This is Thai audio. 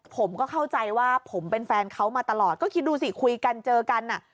ผมก็เข้าใจว่าผมเป็นแฟนเขามาตลอดก็คิดดูสิคุยกันเจอกันอ่ะ